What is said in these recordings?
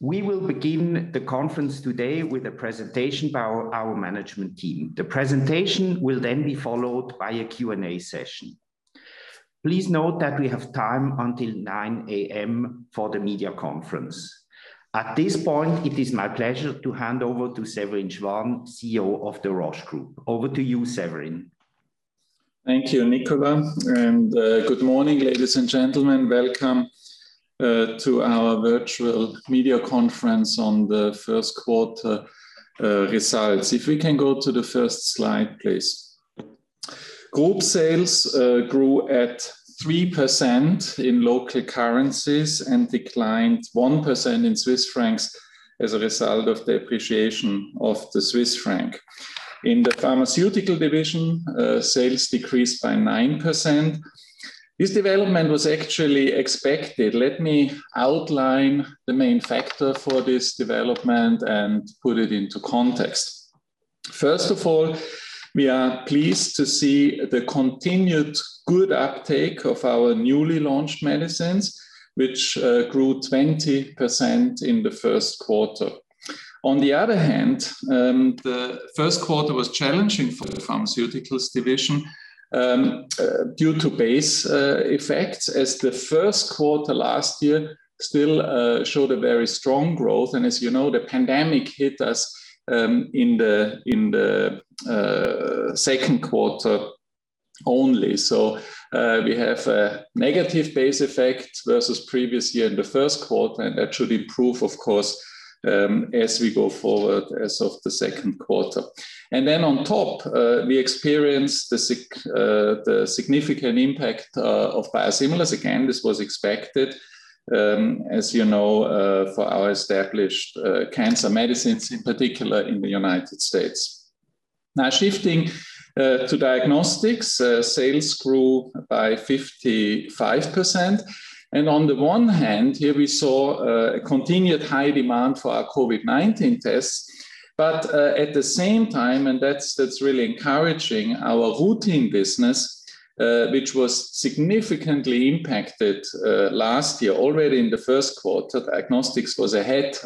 We will begin the conference today with a presentation by our management team. The presentation will be followed by a Q&A session. Please note that we have time until 9:00 A.M. for the media conference. At this point, it is my pleasure to hand over to Severin Schwan, CEO of the Roche Group. Over to you, Severin. Thank you, [Nicola], and good morning, ladies and gentlemen. Welcome to our virtual media conference on the first quarter results. If we can go to the first slide, please. Group sales grew at 3% in local currencies and declined 1% in Swiss franc as a result of the appreciation of the Swiss franc. In the pharmaceutical division, sales decreased by 9%. This development was actually expected, let me outline the main factor for this development and put it into context. First of all, we are pleased to see the continued good uptake of our newly launched medicines, which grew 20% in the first quarter. On the other hand, the first quarter was challenging for the pharmaceuticals division due to base effects, as the first quarter last year still showed a very strong growth. As you know, the pandemic hit us in the second quarter only. We have a negative base effect versus previous year in the first quarter, that should improve, of course, as we go forward as of the second quarter. On top, we experienced the significant impact of biosimilars. Again, this was expected, as you know, for our established cancer medicines, in particular in the United States. Shifting to diagnostics, sales grew by 55%. On the one hand, here we saw a continued high demand for our COVID-19 tests. At the same time, and that's really encouraging, our routine business, which was significantly impacted last year already in the first quarter, diagnostics was ahead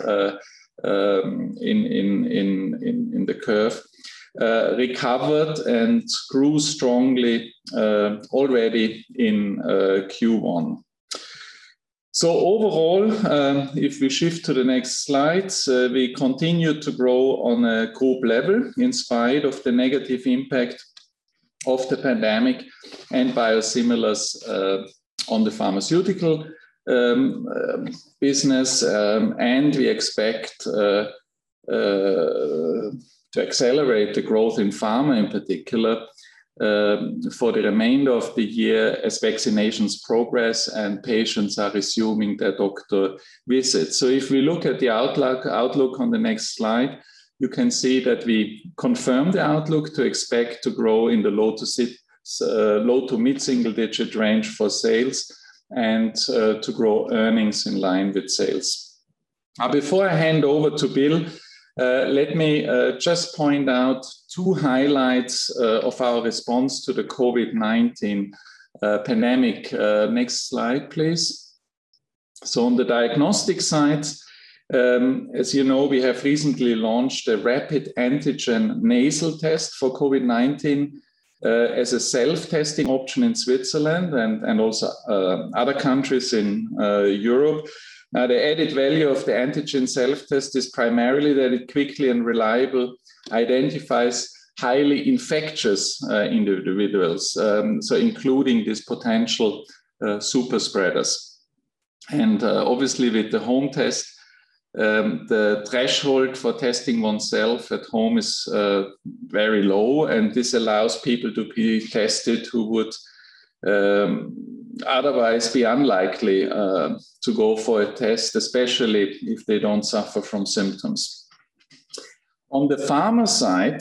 in the curve, recovered and grew strongly already in Q1. Overall, if we shift to the next slide, we continue to grow on a group level in spite of the negative impact of the pandemic and biosimilars on the pharmaceutical business, and we expect to accelerate the growth in Pharma in particular for the remainder of the year as vaccinations progress and patients are resuming their doctor visits. If we look at the outlook on the next slide, you can see that we confirm the outlook to expect to grow in the low to mid-single digit range for sales and to grow earnings in line with sales. Before I hand over to Bill, let me just point out two highlights of our response to the COVID-19 pandemic. Next slide, please. On the Diagnostics side, as you know, we have recently launched a rapid antigen nasal test for COVID-19 as a self-testing option in Switzerland and also other countries in Europe. The added value of the antigen self-test is primarily that it quickly and reliably identifies highly infectious individuals, including these potential super spreaders. Obviously with the home test, the threshold for testing oneself at home is very low, and this allows people to be tested who would otherwise be unlikely to go for a test, especially if they don't suffer from symptoms. On the Pharma side,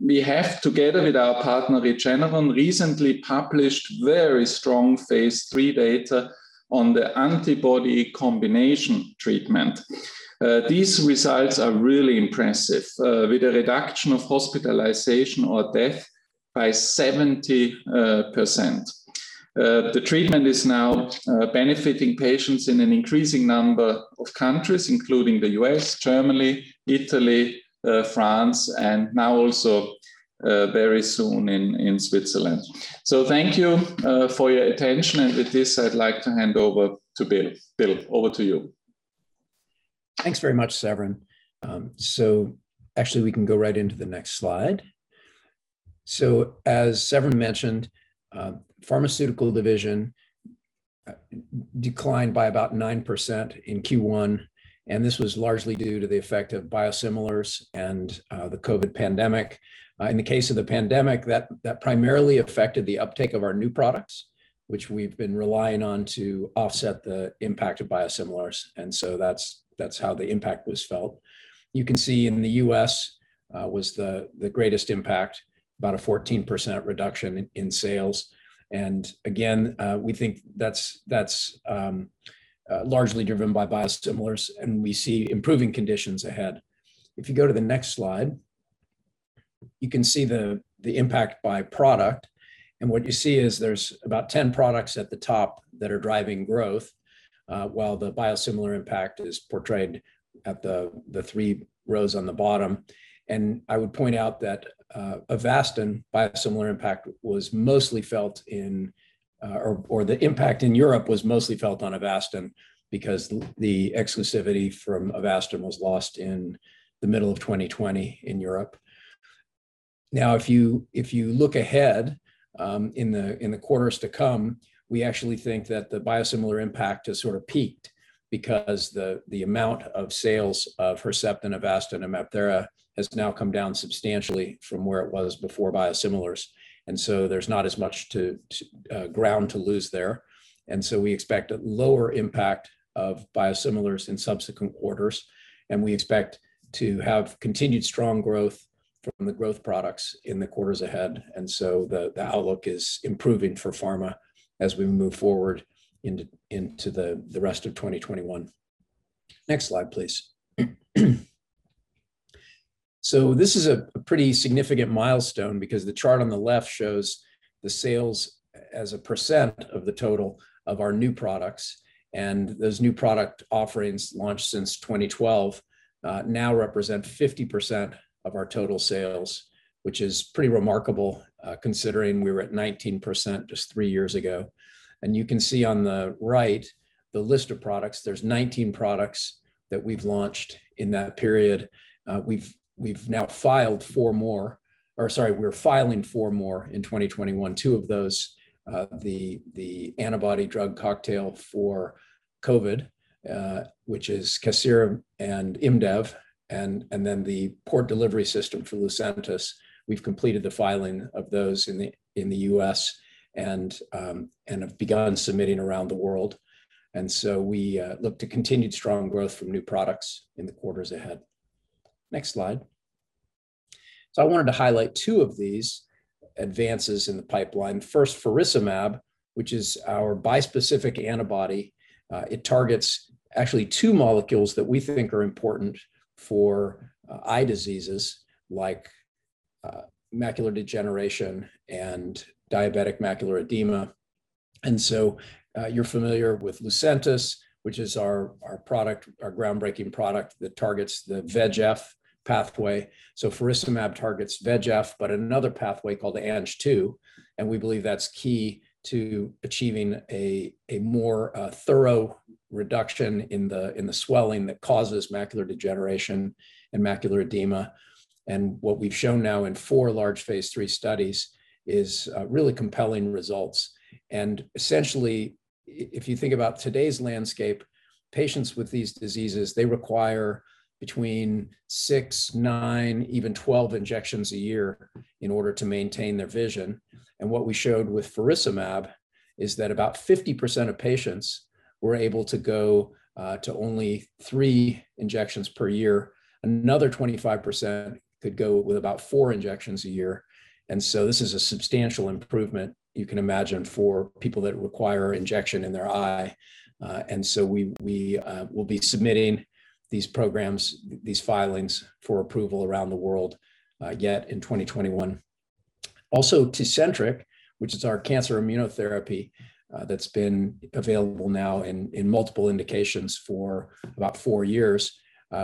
we have, together with our partner Regeneron, recently published very strong phase III data on the antibody combination treatment. These results are really impressive, with a reduction of hospitalization or death by 70%. The treatment is now benefiting patients in an increasing number of countries, including the U.S., Germany, Italy, France, and now also very soon in Switzerland. Thank you for your attention. With this, I'd like to hand over to Bill. Bill, over to you. Thanks very much, Severin. Actually, we can go right into the next slide. As Severin mentioned, pharmaceutical division declined by about 9% in Q1, and this was largely due to the effect of biosimilars and the COVID pandemic. In the case of the pandemic, that primarily affected the uptake of our new products, which we've been relying on to offset the impact of biosimilars, that's how the impact was felt. You can see in the U.S. was the greatest impact, about a 14% reduction in sales. Again, we think that's largely driven by biosimilars, and we see improving conditions ahead. If you go to the next slide, you can see the impact by product, what you see is there's about 10 products at the top that are driving growth, while the biosimilar impact is portrayed at the three rows on the bottom. I would point out that Avastin biosimilar impact, or the impact in Europe was mostly felt on Avastin because the exclusivity from Avastin was lost in the middle of 2020 in Europe. If you look ahead in the quarters to come, we actually think that the biosimilar impact has sort of peaked because the amount of sales of Herceptin, Avastin, and MabThera has now come down substantially from where it was before biosimilars. There's not as much ground to lose there. We expect a lower impact of biosimilars in subsequent quarters, and we expect to have continued strong growth from the growth products in the quarters ahead. The outlook is improving for pharma as we move forward into the rest of 2021. Next slide, please. This is a pretty significant milestone because the chart on the left shows the sales as a % of the total of our new products. Those new product offerings launched since 2012 now represent 50% of our total sales, which is pretty remarkable considering we were at 19% just three years ago. You can see on the right the list of products, there's 19 products that we've launched in that period. We're filing four more in 2021, two of those, the antibody drug cocktail for COVID, which is casirivimab and imdevimab, and then the Port Delivery System for Lucentis. We've completed the filing of those in the U.S. and have begun submitting around the world. We look to continued strong growth from new products in the quarters ahead. Next slide; I wanted to highlight two of these advances in the pipeline. Faricimab, which is our bispecific antibody. It targets actually two molecules that we think are important for eye diseases like macular degeneration and diabetic macular edema. You're familiar with Lucentis, which is our groundbreaking product that targets the VEGF pathway. Faricimab targets VEGF, but another pathway called Ang2, and we believe that's key to achieving a more thorough reduction in the swelling that causes macular degeneration and macular edema. What we've shown now in four large phase III studies is really compelling results. Essentially, if you think about today's landscape, patients with these diseases, they require between six, nine, even 12 injections a year in order to maintain their vision. What we showed with faricimab is that about 50% of patients were able to go to only three injections per year. Another 25% could go with about four injections a year. This is a substantial improvement you can imagine for people that require an injection in their eye. We will be submitting these filings for approval around the world yet in 2021. Tecentriq, which is our cancer immunotherapy that's been available now in multiple indications for about four years.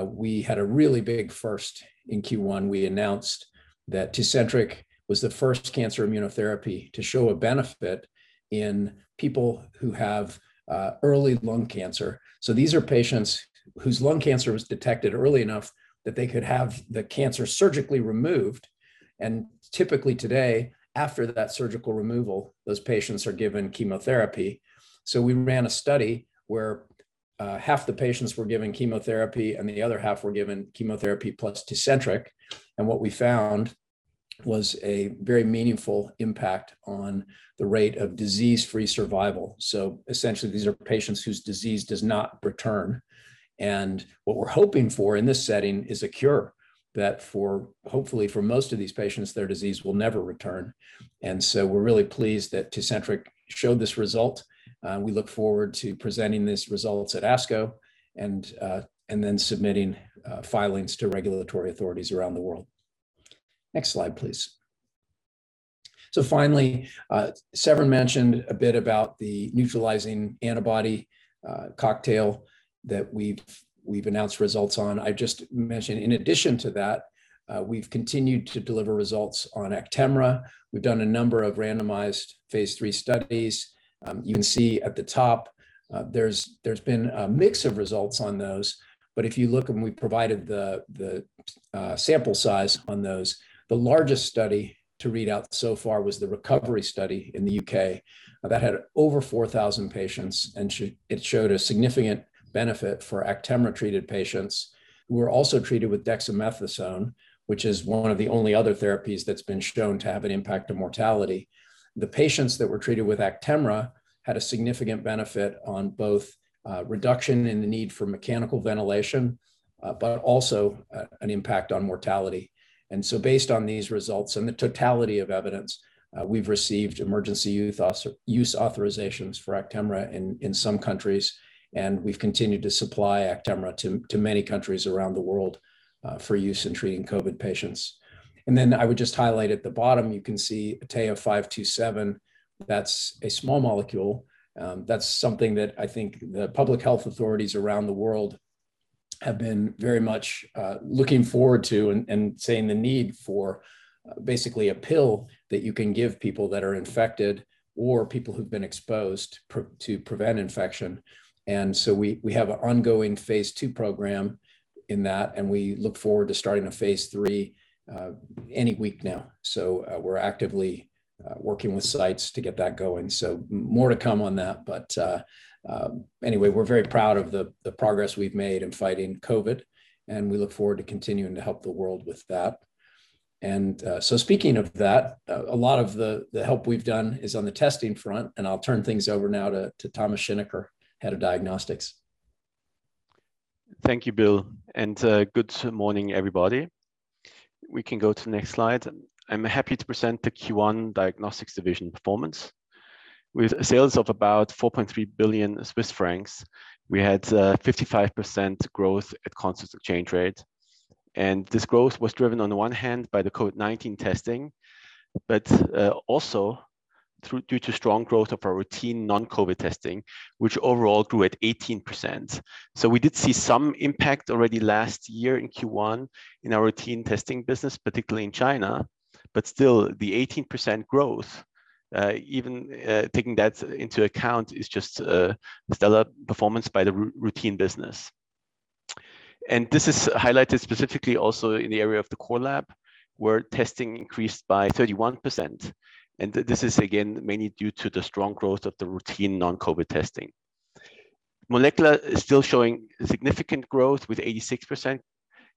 We had a really big first in Q1, we announced that Tecentriq was the first cancer immunotherapy to show a benefit in people who have early lung cancer. These are patients whose lung cancer was detected early enough that they could have the cancer surgically removed, typically today, after that surgical removal, those patients are given chemotherapy. We ran a study where half the patients were given chemotherapy, and the other half were given chemotherapy plus Tecentriq. What we found was a very meaningful impact on the rate of disease-free survival. Essentially, these are patients whose disease does not return. What we're hoping for in this setting is a cure, that hopefully for most of these patients, their disease will never return. We're really pleased that Tecentriq showed this result, we look forward to presenting these results at ASCO and submitting filings to regulatory authorities around the world. Next slide, please. Finally, Severin mentioned a bit about the neutralizing antibody cocktail that we've announced results on. I just mentioned, in addition to that, we've continued to deliver results on Actemra. We've done a number of randomized phase III studies. You can see at the top, there's been a mix of results on those, but if you look, and we provided the sample size on those, the largest study to read out so far was the Recovery study in the U.K. That had over 4,000 patients, it showed a significant benefit for Actemra-treated patients who were also treated with dexamethasone, which is one of the only other therapies that's been shown to have an impact on mortality. The patients that were treated with Actemra had a significant benefit on both reduction in the need for mechanical ventilation, but also an impact on mortality. Based on these results and the totality of evidence, we've received emergency use authorizations for Actemra in some countries, and we've continued to supply Actemra to many countries around the world for use in treating COVID patients. I would just highlight at the bottom, you can see AT-527, that's a small molecule. That's something that I think the public health authorities around the world have been very much looking forward to and seeing the need for basically a pill that you can give people that are infected or people who've been exposed to prevent infection. We have an ongoing phase II program in that, and we look forward to starting a phase III any week now. We're actively working with sites to get that going. More to come on that, anyway, we're very proud of the progress we've made in fighting COVID, and we look forward to continuing to help the world with that. Speaking of that, a lot of the help we've done is on the testing front, and I'll turn things over now to Thomas Schinecker, Head of Diagnostics. Thank you, Bill. Good morning, everybody. We can go to the next slide. I'm happy to present the Q1 Diagnostics division performance. With sales of about 4.3 billion Swiss francs, we had 55% growth at constant exchange rate. This growth was driven on the one hand by the COVID-19 testing, but also due to strong growth of our routine non-COVID testing, which overall grew at 18%. We did see some impact already last year in Q1 in our routine testing business, particularly in China. Still, the 18% growth, even taking that into account, is just a stellar performance by the routine business. This is highlighted specifically also in the area of the core lab, where testing increased by 31%. This is again, mainly due to the strong growth of the routine non-COVID testing. Molecular is still showing significant growth with 86%.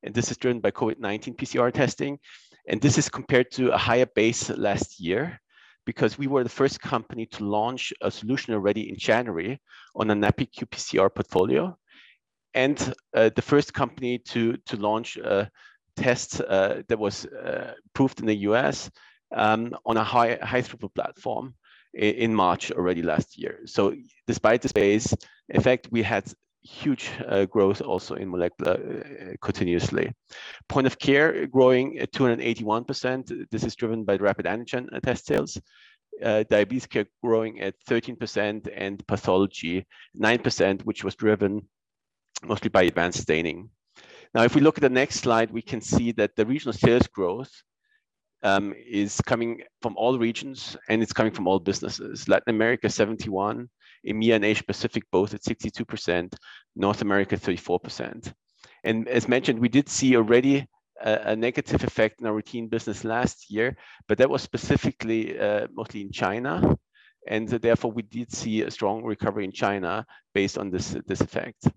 This is driven by COVID-19 PCR testing. This is compared to a higher base last year because we were the first company to launch a solution already in January on a NA purification and PCR portfolio and the first company to launch a test that was approved in the U.S. on a high throughput platform in March already last year. Despite the base effect, we had huge growth also in molecular continuously. Point of care growing at 281%, this is driven by the rapid antigen test sales. Diabetes care growing at 13% and pathology 9%, which was driven mostly by advanced staining. If we look at the next slide, we can see that the regional sales growth is coming from all regions, and it's coming from all businesses. Latin America, 71%, EMEA and Asia-Pacific, both at 62%, North America, 34%. As mentioned, we did see already a negative effect in our routine business last year, but that was specifically mostly in China, and therefore, we did see a strong recovery in China based on this effect.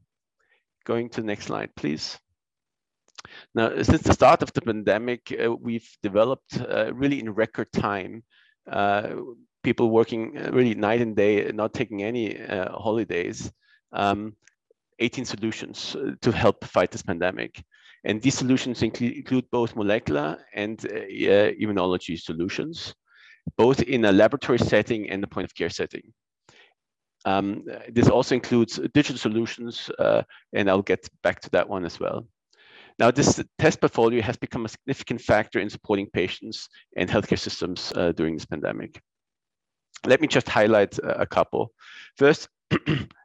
Going to the next slide, please. Since the start of the pandemic, we've developed really in record time, people working really night and day not taking any holidays, 18 solutions to help fight this pandemic. These solutions include both molecular and immunology solutions, both in a laboratory setting and the point-of-care setting. This also includes digital solutions, and I'll get back to that one as well. This test portfolio has become a significant factor in supporting patients and healthcare systems during this pandemic. Let me just highlight a couple. First,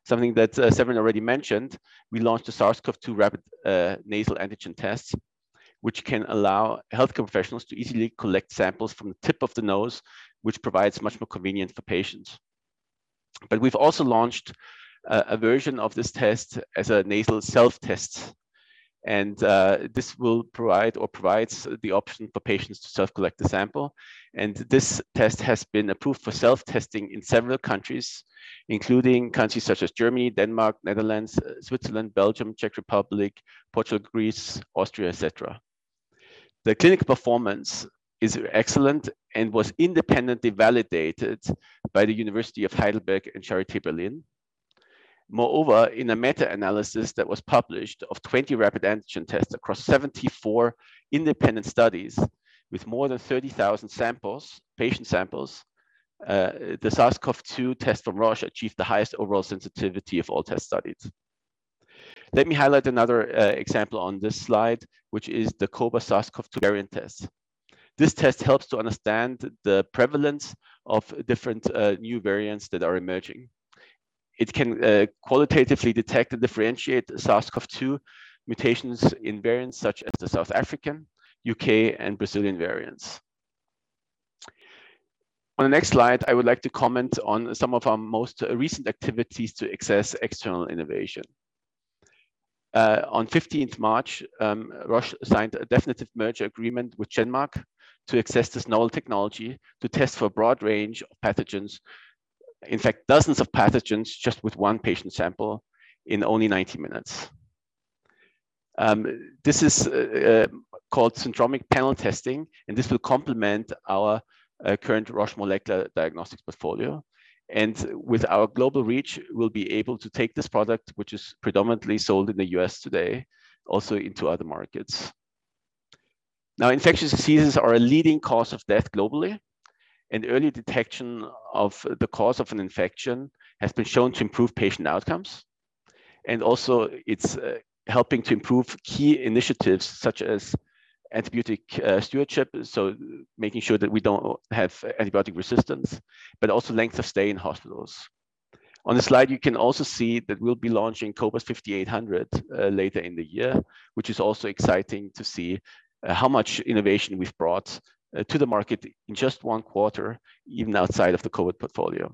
something that Severin already mentioned. We launched the SARS-CoV-2 Rapid Antigen Test, which can allow healthcare professionals to easily collect samples from the tip of the nose, which provides much more convenience for patients. We've also launched a version of this test as a nasal self-test, and this provides the option for patients to self-collect the sample. This test has been approved for self-testing in several countries, including countries such as Germany, Denmark, Netherlands, Switzerland, Belgium, Czech Republic, Portugal, Greece, Austria, et cetera. The clinical performance is excellent and was independently validated by the University of Heidelberg and Charité Berlin. Moreover, in a meta-analysis that was published of 20 rapid antigen tests across 74 independent studies with more than 30,000 patient samples, the SARS-CoV-2 test from Roche achieved the highest overall sensitivity of all test studies. Let me highlight another example on this slide, which is the cobas SARS-CoV-2 Variant Test. This test helps to understand the prevalence of different new variants that are emerging. It can qualitatively detect and differentiate SARS-CoV-2 mutations in variants such as the South African, U.K., and Brazilian variants. On the next slide, I would like to comment on some of our most recent activities to access external innovation. On 15th March, Roche signed a definitive merger agreement with GenMark to access this novel technology to test for a broad range of pathogens. In fact, dozens of pathogens just with one patient sample in only 90 minutes. This is called syndromic panel testing, this will complement our current Roche molecular diagnostics portfolio. With our global reach, we'll be able to take this product, which is predominantly sold in the U.S. today, also into other markets. Infectious diseases are a leading cause of death globally, early detection of the cause of an infection has been shown to improve patient outcomes. Also it's helping to improve key initiatives such as antibiotic stewardship. Making sure that we don't have antibiotic resistance, also length of stay in hospitals. On the slide, you can also see that we'll be launching cobas 5800 later in the year, which is also exciting to see how much innovation we've brought to the market in just one quarter, even outside of the COVID portfolio.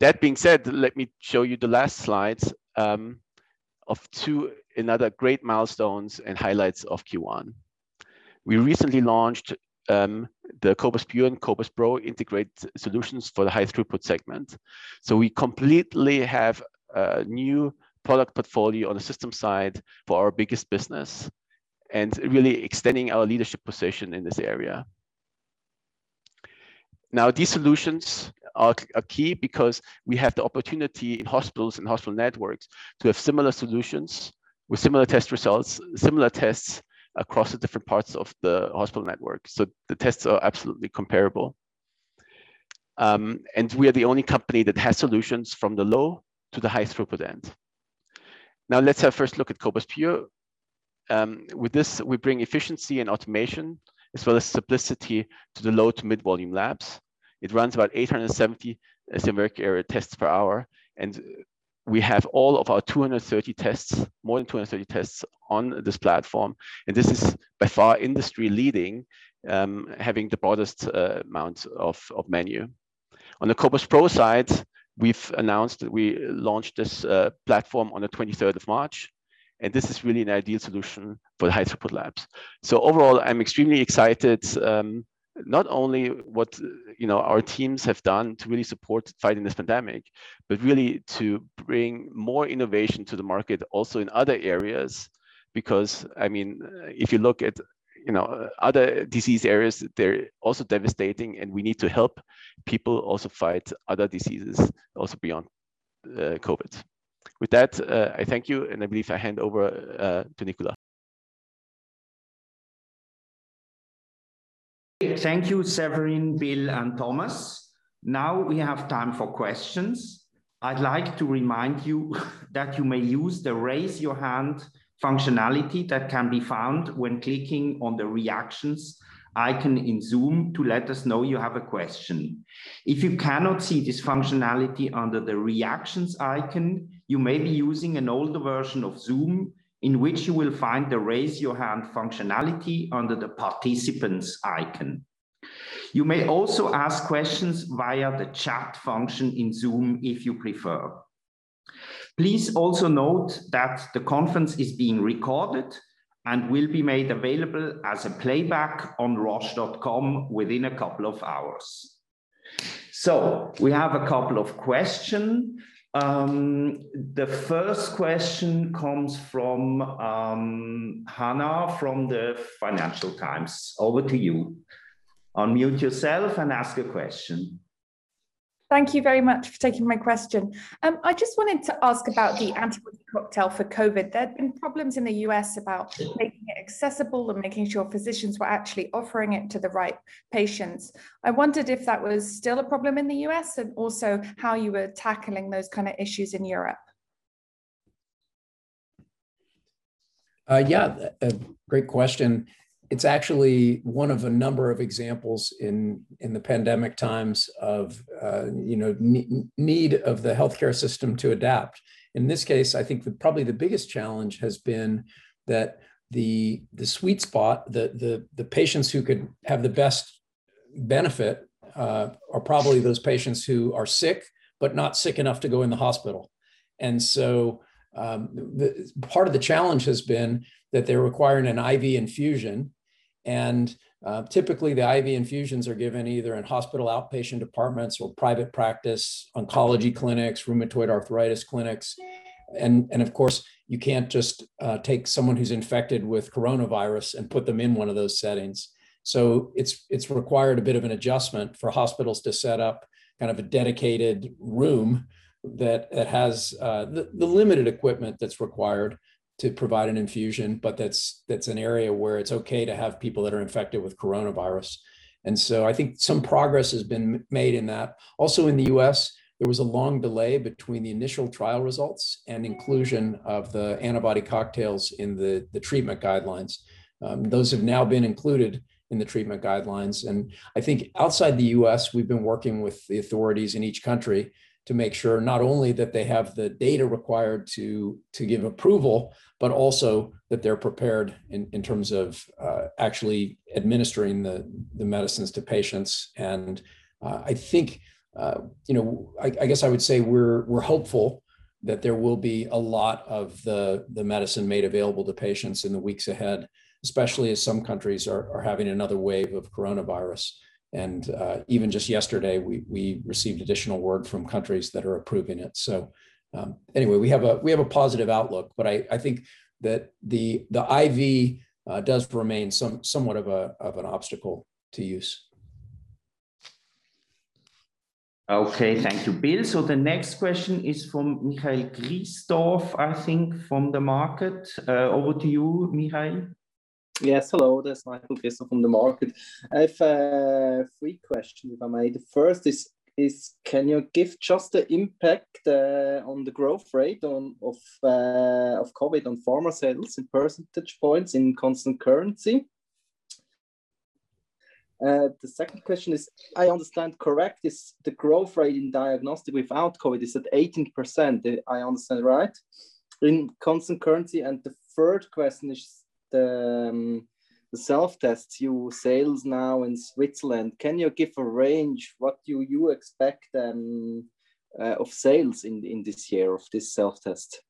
That being said, let me show you the last slides of two another great milestones and highlights of Q1. We recently launched the cobas pure and cobas pro integrated solutions for the high throughput segment. We completely have a new product portfolio on the system side for our biggest business, and really extending our leadership position in this area. These solutions are key because we have the opportunity in hospitals and hospital networks to have similar solutions with similar test results, similar tests across the different parts of the hospital network. The tests are absolutely comparable. We are the only company that has solutions from the low to the high throughput end. Let's first look at cobas pure: with this, we bring efficiency and automation as well as simplicity to the low to mid-volume labs, it runs about 870 syndromic panel testing per hour, and we have all of our 230 tests, more than 230 tests on this platform. This is by far industry leading, having the broadest amount of menu. On the cobas pro side, we've announced that we launched this platform on the 23rd March. This is really an ideal solution for the high throughput labs. Overall, I'm extremely excited, not only what our teams have done to really support fighting this pandemic, but really to bring more innovation to the market also in other areas. If you look at other disease areas, they're also devastating, and we need to help people also fight other diseases also beyond COVID. With that, I thank you, and I believe I hand over to [Nicola]. Thank you, Severin, Bill, and Thomas. Now we have time for questions. I'd like to remind you that you may use the raise your hand functionality that can be found when clicking on the reactions icon in Zoom to let us know you have a question. If you cannot see this functionality under the reactions icon, you may be using an older version of Zoom in which you will find the raise your hand functionality under the participants icon. You may also ask questions via the chat function in Zoom if you prefer. Please also note that the conference is being recorded and will be made available as a playback on roche.com within a couple of hours. We have a couple of question. The first question comes from Hannah from the Financial Times. Over to you. Unmute yourself and ask your question. Thank you very much for taking my question. I just wanted to ask about the antibody drug cocktail for COVID. There have been problems in the U.S. about making it accessible and making sure physicians were actually offering it to the right patients. I wondered if that was still a problem in the U.S., and also how you were tackling those kind of issues in Europe. Yeah. Great question. It's actually one of a number of examples in the pandemic times of need of the healthcare system to adapt. In this case, I think probably the biggest challenge has been that the sweet spot, the patients who could have the best benefit, are probably those patients who are sick, but not sick enough to go in the hospital. Part of the challenge has been that they're requiring an IV infusion, and typically the IV infusions are given either in hospital outpatient departments or private practice oncology clinics, rheumatoid arthritis clinics. Of course, you can't just take someone who's infected with coronavirus and put them in one of those settings. It's required a bit of an adjustment for hospitals to set up kind of a dedicated room that has the limited equipment that's required to provide an infusion, but that's an area where it's okay to have people that are infected with coronavirus. I think some progress has been made in that. In the U.S., there was a long delay between the initial trial results and inclusion of the antibody cocktails in the treatment guidelines. Those have now been included in the treatment guidelines, and I think outside the U.S., we've been working with the authorities in each country to make sure not only that they have the data required to give approval, but also that they are prepared in terms of actually administering the medicines to patients. I guess I would say we're hopeful that there will be a lot of the medicine made available to patients in the weeks ahead, especially as some countries are having another wave of coronavirus. Even just yesterday, we received additional word from countries that are approving it. Anyway, we have a positive outlook, I think that the IV does remain somewhat of an obstacle to use. Okay. Thank you, Bill. The next question is from Michael Christof, I think, from The Market. Over to you, Michael. Yes. Hello. This is Michael Christof from The Market. I have three questions, if I may. The first is can you give just the impact on the growth rate of COVID on pharma sales in percentage points in constant currency? The second question is, I understand, correct, is the growth rate in Diagnostics without COVID is at 18%, I understand, right? In constant currency. The third question is the self-tests you sell now in Switzerland, can you give a range what do you expect of sales in this year of this self-test?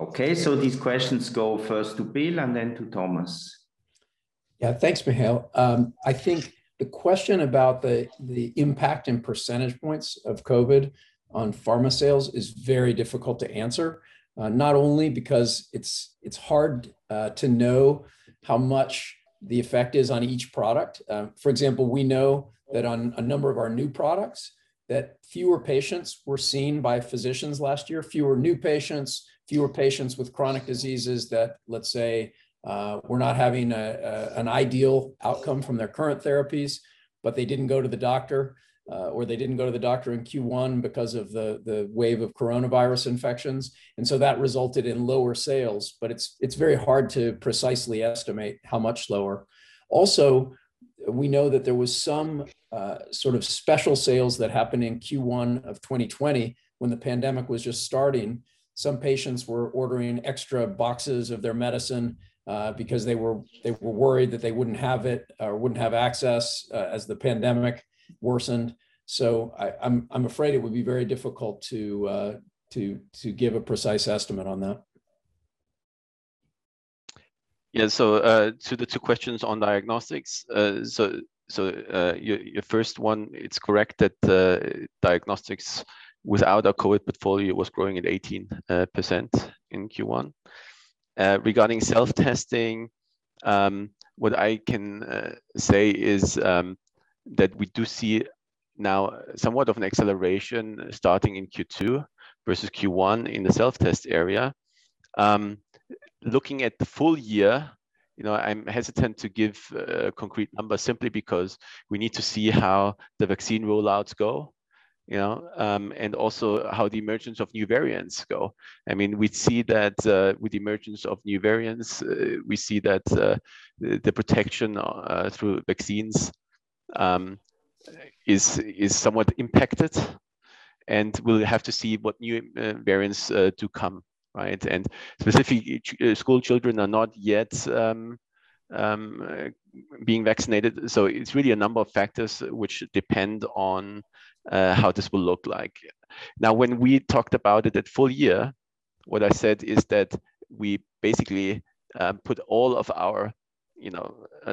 Okay. These questions go first to Bill and then to Thomas. Yeah. Thanks, Michael. I think the question about the impact in percentage points of COVID on pharma sales is very difficult to answer. Not only because it's hard to know how much the effect is on each product. For example, we know that on a number of our new products, that fewer patients were seen by physicians last year. Fewer new patients, fewer patients with chronic diseases that, let's say, were not having an ideal outcome from their current therapies, but they didn't go to the doctor, or they didn't go to the doctor in Q1 because of the wave of coronavirus infections. That resulted in lower sales, but it's very hard to precisely estimate how much lower. We know that there was some sort of special sales that happened in Q1 of 2020 when the pandemic was just starting. Some patients were ordering extra boxes of their medicine because they were worried that they wouldn't have it or wouldn't have access, as the pandemic worsened. I'm afraid it would be very difficult to give a precise estimate on that. Yeah. To the two questions on diagnostics. Your first one, it's correct that diagnostics without our COVID portfolio was growing at 18% in Q1. Regarding self-testing, what I can say is that we do see now somewhat of an acceleration starting in Q2 versus Q1 in the self-test area. Looking at the full year, I'm hesitant to give a concrete number simply because we need to see how the vaccine rollouts go, also how the emergence of new variants go. We see that with the emergence of new variants, we see that the protection through vaccines is somewhat impacted, and we'll have to see what new variants do come, right? Specific school children are not yet being vaccinated. It's really a number of factors which depend on how this will look like. When we talked about it at full year, what I said is that we basically put all of our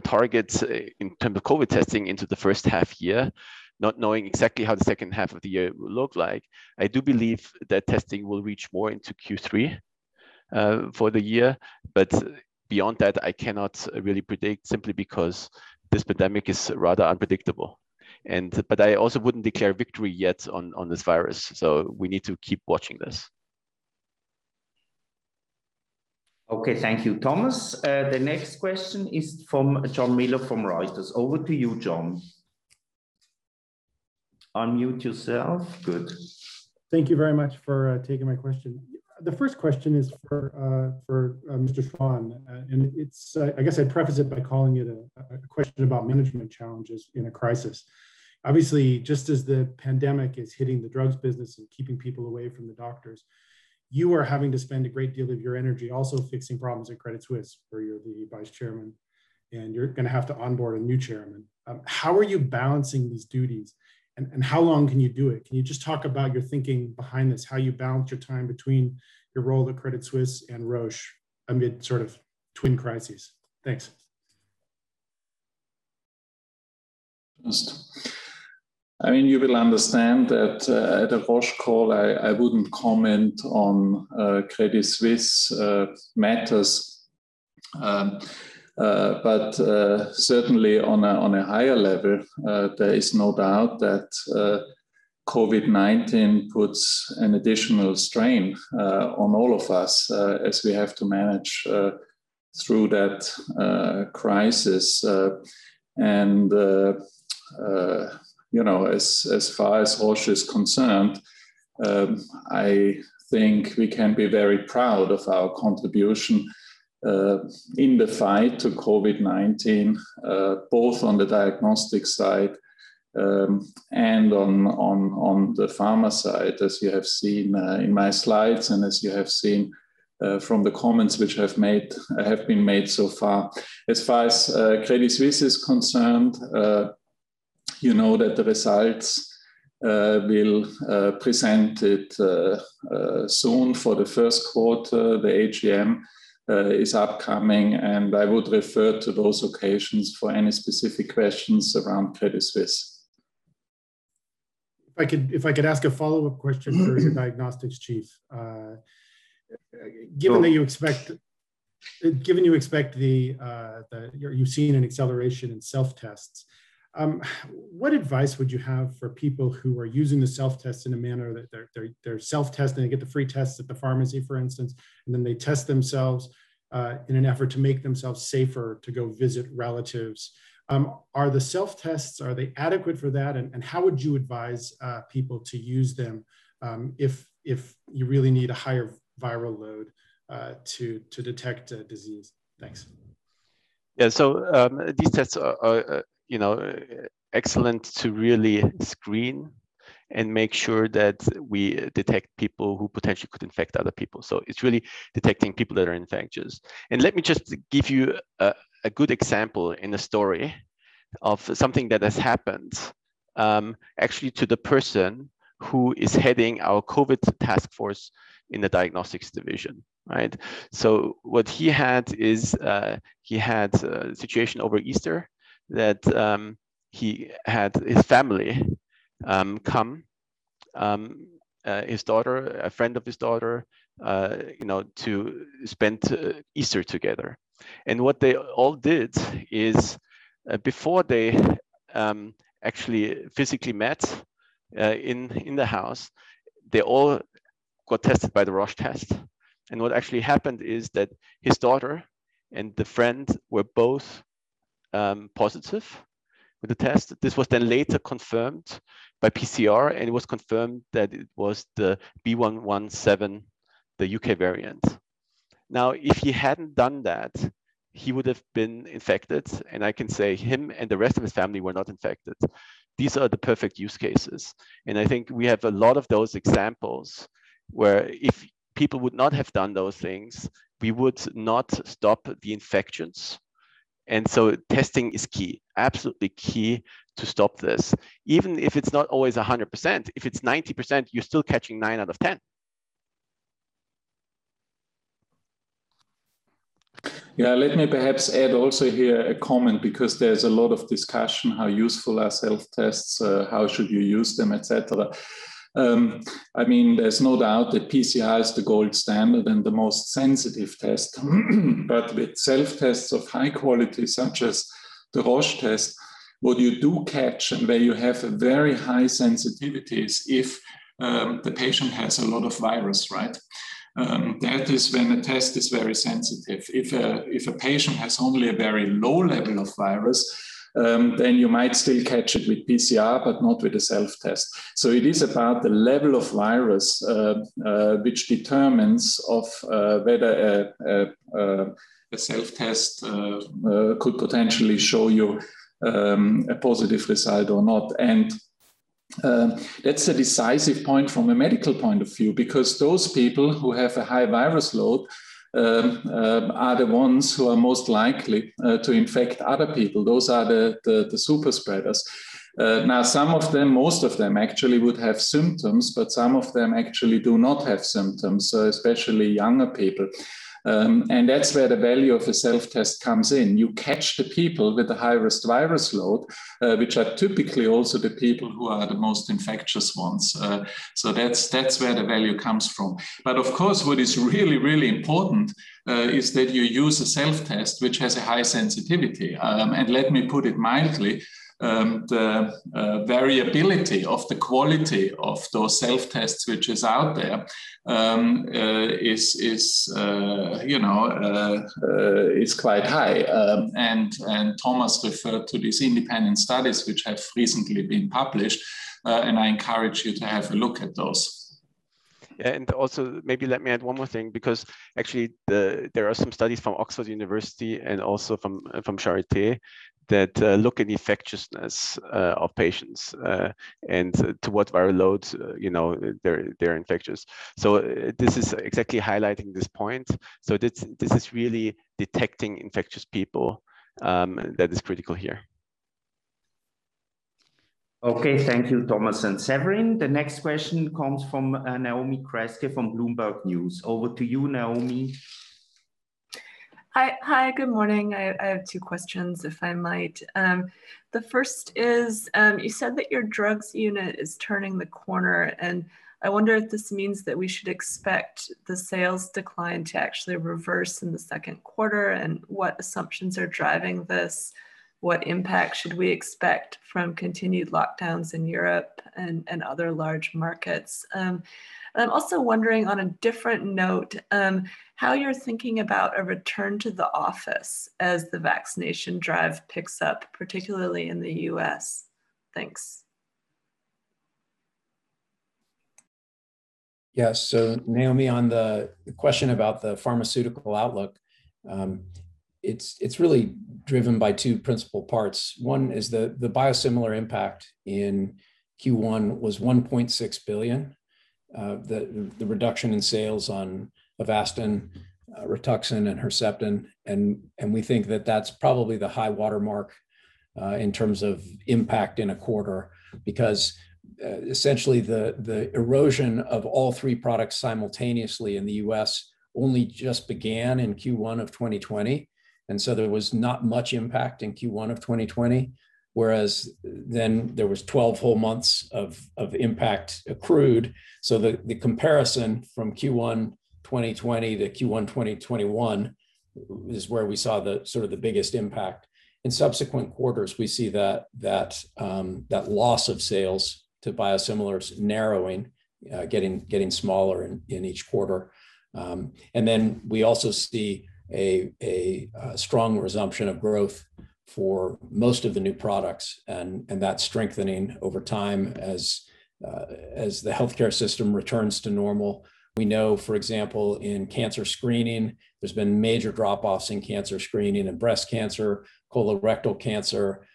targets in terms of COVID testing into the first half year, not knowing exactly how the second half of the year will look like. I do believe that testing will reach more into Q3 for the year. Beyond that, I cannot really predict simply because this pandemic is rather unpredictable. I also wouldn't declare victory yet on this virus, so we need to keep watching this. Okay. Thank you, Thomas. The next question is from John Miller from Reuters. Over to you, John. Unmute yourself. Good. Thank you very much for taking my question. The first question is for Mr. Schwan. I guess I'd preface it by calling it a question about management challenges in a crisis. Obviously, just as the pandemic is hitting the drugs business and keeping people away from the doctors, you are having to spend a great deal of your energy also fixing problems at Credit Suisse, where you're the vice chairman, and you're going to have to onboard a new chairman. How are you balancing these duties, and how long can you do it? Can you just talk about your thinking behind this, how you balance your time between your role at Credit Suisse and Roche amid sort of twin crises? Thanks. I mean, you will understand that at a Roche call, I wouldn't comment on Credit Suisse matters. Certainly on a higher level, there is no doubt that COVID-19 puts an additional strain on all of us, as we have to manage through that crisis. As far as Roche is concerned, I think we can be very proud of our contribution, in the fight to COVID-19, both on the diagnostic side, and on the pharma side, as you have seen in my slides and as you have seen from the comments which have been made so far. As far as Credit Suisse is concerned, you know that the results will present it soon for the first quarter. The AGM is upcoming, I would refer to those occasions for any specific questions around Credit Suisse. If I could ask a follow-up question for the Diagnostics Chief. Sure. Given you expect you're seeing an acceleration in self-tests, what advice would you have for people who are using the self-test in a manner that they're self-testing, they get the free tests at the pharmacy, for instance, and then they test themselves, in an effort to make themselves safer to go visit relatives. Are the self-tests, are they adequate for that? How would you advise people to use them, if you really need a higher viral load to detect disease? Thanks. Yeah. These tests are excellent to really screen and make sure that we detect people who potentially could infect other people. It's really detecting people that are infectious. Let me just give you a good example in a story of something that has happened, actually to the person who is heading our COVID task force in the Diagnostics division. Right? What he had is, he had a situation over Easter that he had his family come, his daughter, a friend of his daughter, to spend Easter together. What they all did is, before they actually physically met in the house, they all got tested by the Roche test. What actually happened is that his daughter and the friend were both positive with the test. This was then later confirmed by PCR, and it was confirmed that it was the B.1.1.7, the U.K. variant. Now, if he hadn't done that, he would've been infected, and I can say him and the rest of his family were not infected. These are the perfect use cases, and I think we have a lot of those examples where if people would not have done those things, we would not stop the infections. Testing is key, absolutely key to stop this, even if it's not always 100%, if it's 90%, you're still catching nine out of 10. Let me perhaps add also here a comment, because there's a lot of discussion, how useful are self-tests, how should you use them, et cetera. There's no doubt that PCR is the gold standard and the most sensitive test, but with self-tests of high quality, such as the Roche test, what you do catch and where you have a very high sensitivity is if the patient has a lot of virus, right? That is when the test is very sensitive. If a patient has only a very low level of virus, then you might still catch it with PCR, but not with a self-test. It is about the level of virus, which determines of whether a self-test could potentially show you a positive result or not. That's a decisive point from a medical point of view, because those people who have a high virus load are the ones who are most likely to infect other people. Those are the super spreaders. Some of them, most of them actually would have symptoms, but some of them actually do not have symptoms, especially younger people. That's where the value of a self-test comes in. You catch the people with the high-risk virus load, which are typically also the people who are the most infectious ones, that's where the value comes from. Of course, what is really, really important is that you use a self-test which has a high sensitivity. Let me put it mildly, the variability of the quality of those self-tests, which is out there, is quite high. Thomas referred to these independent studies which have recently been published, and I encourage you to have a look at those. Yeah. Also, maybe let me add one more thing, because actually there are some studies from Oxford University and also from Charité that look at infectiousness of patients, and to what viral loads they're infectious. This is exactly highlighting this point. This is really detecting infectious people that is critical here. Okay. Thank you, Thomas and Severin. The next question comes from Naomi Kresge from Bloomberg News. Over to you, Naomi. Hi. Good morning. I have two questions, if I might. The first is, you said that your drugs unit is turning the corner, and I wonder if this means that we should expect the sales decline to actually reverse in the second quarter, and what assumptions are driving this? What impact should we expect from continued lockdowns in Europe and other large markets? I'm also wondering on a different note, how you're thinking about a return to the office as the vaccination drive picks up, particularly in the U.S. Thanks. Yeah. Naomi, on the question about the pharmaceutical outlook, it's really driven by two principal parts. One is the biosimilar impact in Q1 was 1.6 billion, the reduction in sales on Avastin, Rituxan, and Herceptin, we think that that's probably the high watermark in terms of impact in a quarter. Essentially the erosion of all three products simultaneously in the U.S. only just began in Q1 2020, there was not much impact in Q1 2020, whereas then there was 12 whole months of impact accrued. The comparison from Q1 2020 to Q1 2021 is where we saw the sort of the biggest impact. In subsequent quarters, we see that loss of sales to biosimilars narrowing, getting smaller in each quarter. We also see a strong resumption of growth for most of the new products, and that strengthening over time as the healthcare system returns to normal. We know, for example, in cancer screening, there's been major drop-offs in cancer screening, in breast cancer, colorectal cancer,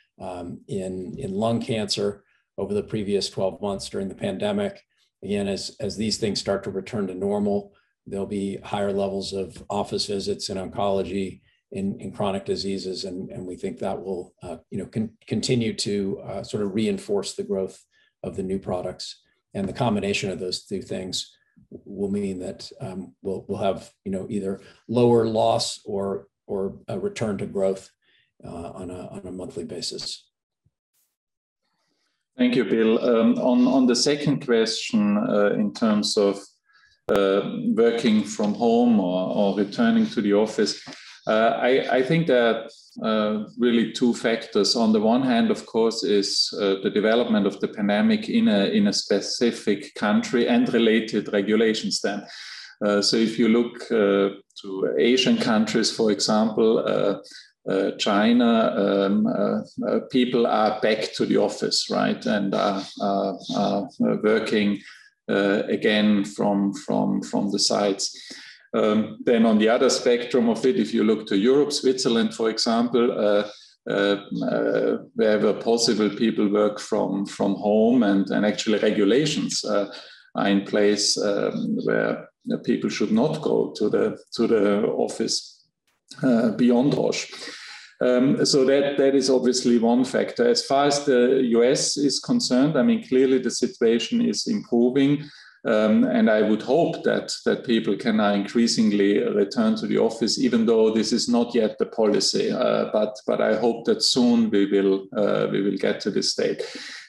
in lung cancer over the previous 12 months during the pandemic. Again, as these things start to return to normal, there'll be higher levels of office visits in oncology, in chronic diseases, and we think that will continue to reinforce the growth of the new products. The combination of those two things will mean that we'll have either lower loss or a return to growth on a monthly basis. Thank you, Bill. On the second question, in terms of working from home or returning to the office, I think that really two factors. On the one hand, of course, is the development of the pandemic in a specific country and related regulations then. If you look to Asian countries, for example, China, people are back to the office, right? Are working again from the sites. On the other spectrum of it, if you look to Europe, Switzerland, for example, wherever possible, people work from home, and actually regulations are in place where people should not go to the office beyond Roche. That is obviously one factor. As far as the U.S. is concerned, clearly the situation is improving, I would hope that people can now increasingly return to the office, even though this is not yet the policy. I hope that soon we will get to this state.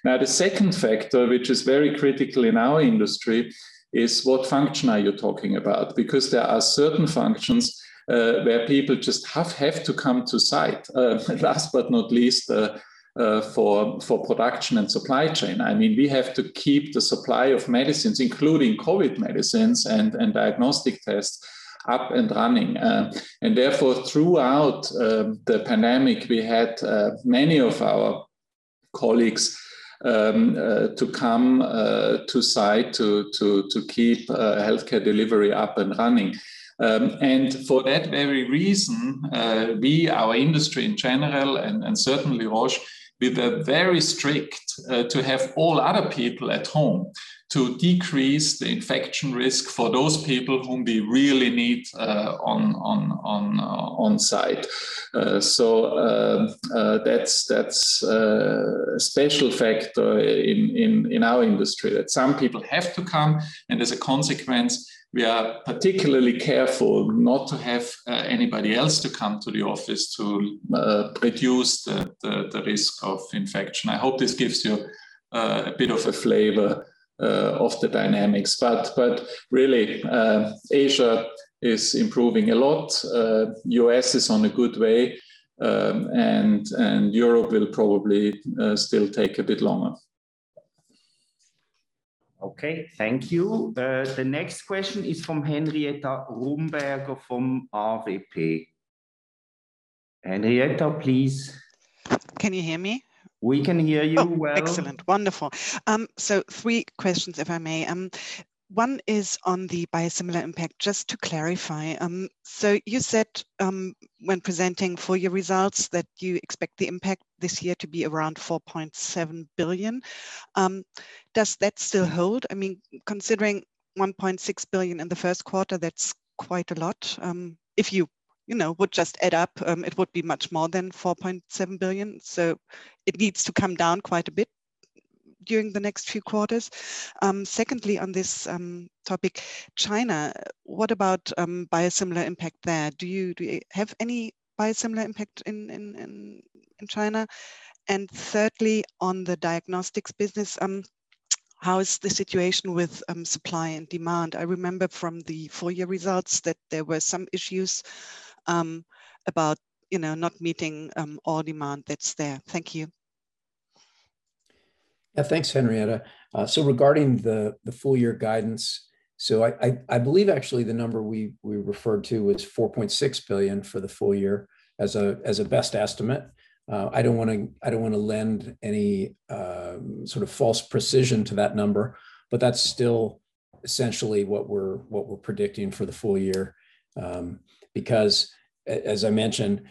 The second factor, which is very critical in our industry, is what function are you talking about? Because there are certain functions where people just have to come to site. Last but not least, for production and supply chain. We have to keep the supply of medicines, including COVID medicines and diagnostic tests, up and running. Therefore, throughout the pandemic, we had many of our colleagues to come to site to keep healthcare delivery up and running. For that very reason, we, our industry in general, and certainly Roche, we were very strict to have all other people at home to decrease the infection risk for those people whom we really need on site. That's a special factor in our industry, that some people have to come, and as a consequence, we are particularly careful not to have anybody else to come to the office to reduce the risk of infection. I hope this gives you a bit of a flavor of the dynamics. Really, Asia is improving a lot, U.S. is on a good way, Europe will probably still take a bit longer. Okay. Thank you. The next question is from Henrietta Rumberger from AWP. Henrietta, please. Can you hear me? We can hear you well. Excellent. Wonderful. Three questions, if I may. One is on the biosimilar impact, just to clarify. You said when presenting full year results that you expect the impact this year to be around 4.7 billion. Does that still hold? Considering 1.6 billion in the first quarter, that's quite a lot. If you would just add up, it would be much more than 4.7 billion, so it needs to come down quite a bit during the next few quarters. Secondly, on this topic, China, what about biosimilar impact there, do you have any biosimilar impact in China? Thirdly, on the diagnostics business, how is the situation with supply and demand? I remember from the full year results that there were some issues about not meeting all demand that's there. Thank you. Yeah. Thanks, Henrietta. Regarding the full year guidance, I believe, actually, the number we referred to was 4.6 billion for the full year as a best estimate. I don't want to lend any sort of false precision to that number, but that's still essentially what we're predicting for the full year. Because, as I mentioned,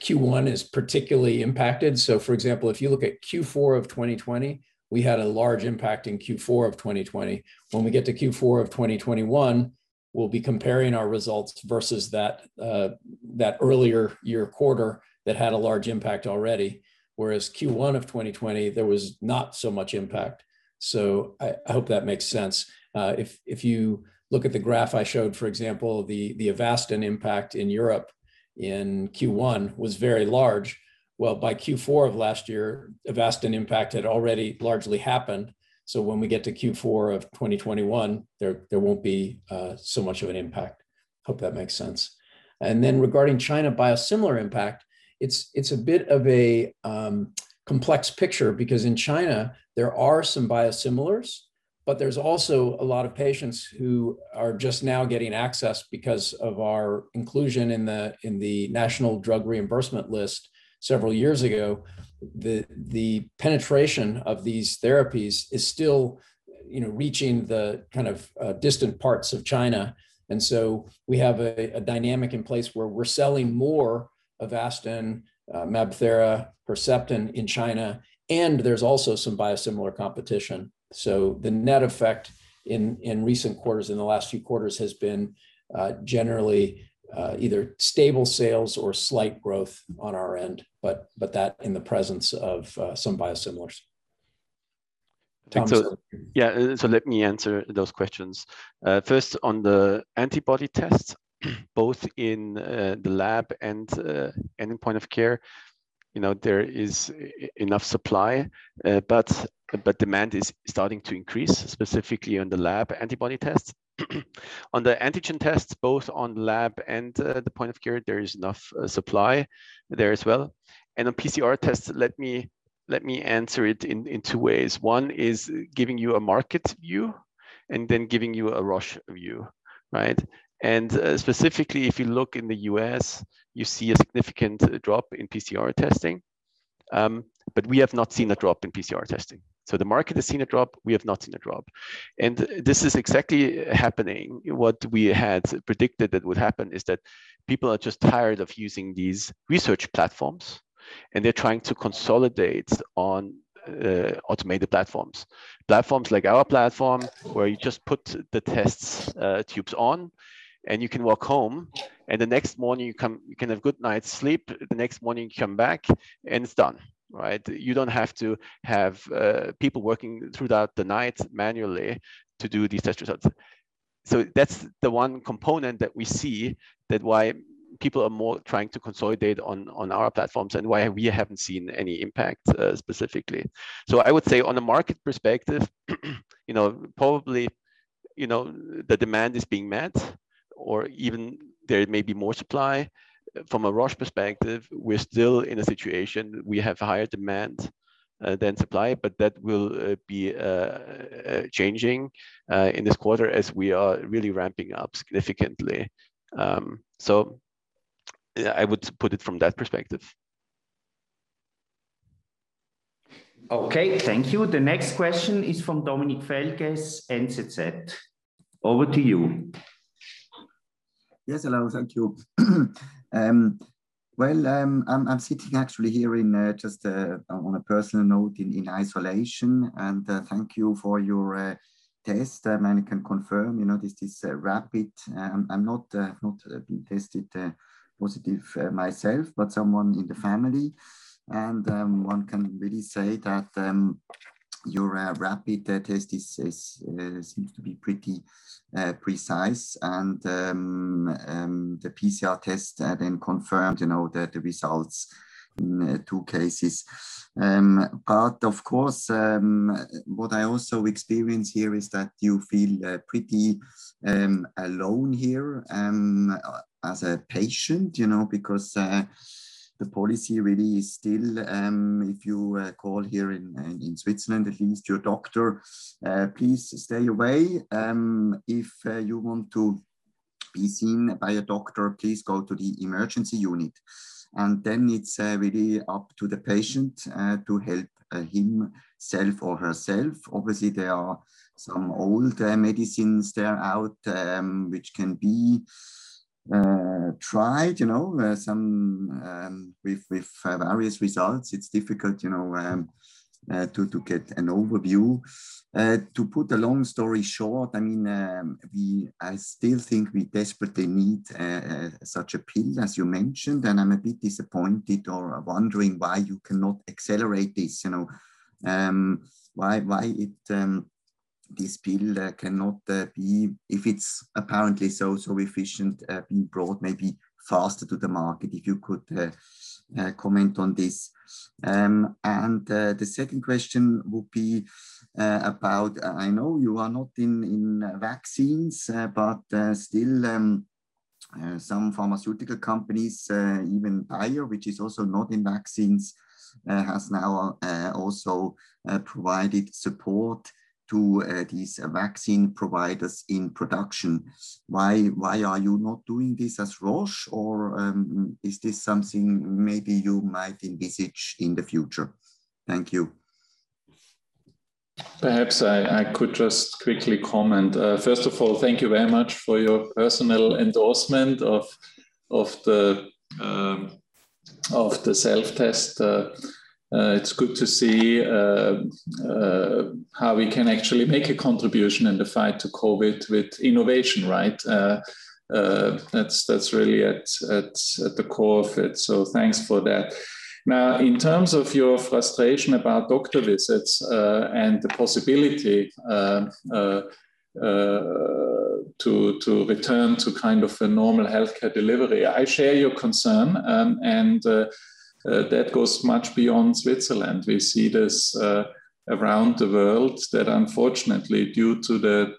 Q1 is particularly impacted. For example, if you look at Q4 of 2020, we had a large impact in Q4 of 2020. When we get to Q4 of 2021, we'll be comparing our results versus that earlier year quarter that had a large impact already. Whereas Q1 of 2020, there was not so much impact. I hope that makes sense. If you look at the graph I showed, for example, the Avastin impact in Europe in Q1 was very large. Well, by Q4 of last year, Avastin impact had already largely happened, so when we get to Q4 of 2021, there won't be so much of an impact, hope that makes sense. Regarding China biosimilar impact, it's a bit of a complex picture because in China there are some biosimilars There's also a lot of patients who are just now getting access because of our inclusion in the National Drug Reimbursement List several years ago. The penetration of these therapies is still reaching the kind of distant parts of China. So we have a dynamic in place where we're selling more Avastin, MabThera, Herceptin in China, and there's also some biosimilar competition. The net effect in recent quarters, in the last few quarters, has been generally either stable sales or slight growth on our end, but that in the presence of some biosimilars. Thomas? Yeah. Let me answer those questions. First, on the antibody tests, both in the lab and in point of care, there is enough supply, but demand is starting to increase, specifically on the lab antibody tests. On the antigen tests, both on lab and the point of care, there is enough supply there as well. On PCR tests, let me answer it in two ways. One is giving you a market view, and then giving you a Roche view. Right? Specifically, if you look in the U.S., you see a significant drop in PCR testing, but we have not seen a drop in PCR testing. The market has seen a drop, we have not seen a drop. This is exactly happening. What we had predicted that would happen is that people are just tired of using these research platforms, and they're trying to consolidate on automated platforms. Platforms like our platform, where you just put the test tubes on and you can walk home, and you can have good night's sleep. The next morning, you come back and it's done. Right? You don't have to have people working throughout the night manually to do these test results. That's the one component that we see that why people are more trying to consolidate on our platforms and why we haven't seen any impact, specifically. I would say on the market perspective, probably the demand is being met, or even there may be more supply. From a Roche perspective, we're still in a situation, we have higher demand than supply. That will be changing in this quarter as we are really ramping up significantly. I would put it from that perspective. Okay. Thank you. The next question is from Dominik Feldges, NZZ. Over to you. Yes, hello. Thank you. Well, I am sitting actually here in, just on a personal note, in isolation, and thank you for your test. I can confirm, this is rapid, I have not been tested positive myself, but someone in the family. One can really say that your rapid test seems to be pretty precise, and the PCR test then confirmed the results in two cases. Of course, what I also experience here is that you feel pretty alone here as a patient, because the policy really is still, if you call here in Switzerland, at least your doctor, "Please stay away. If you want to be seen by a doctor, please go to the emergency unit." Then it is really up to the patient to help himself or herself. Obviously, there are some old medicines that are out, which can be tried with various results. It's difficult to get an overview. To put a long story short, I still think we desperately need such a pill, as you mentioned. I'm a bit disappointed or wondering why you cannot accelerate this. Why this pill cannot be, if it's apparently so efficient, being brought maybe faster to the market? If you could comment on this. The second question would be about, I know you are not in vaccines, but still some pharmaceutical companies, even Bayer, which is also not in vaccines, has now also provided support to these vaccine providers in production. Why are you not doing this as Roche, or is this something maybe you might envisage in the future? Thank you. Perhaps I could just quickly comment. First of all, thank you very much for your personal endorsement of the self-test. It's good to see how we can actually make a contribution in the fight to COVID with innovation, right? That's really at the core of it, so thanks for that. In terms of your frustration about doctor visits, and the possibility to return to kind of a normal healthcare delivery, I share your concern, and that goes much beyond Switzerland. We see this around the world, that unfortunately, due to the